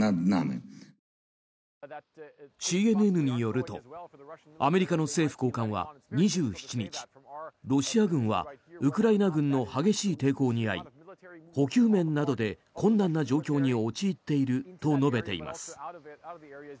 ＣＮＮによるとアメリカの政府高官は２７日ロシア軍はウクライナ軍の激しい抵抗に遭い補給面などで困難な状況に陥っていると述べています。